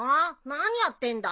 何やってんだ？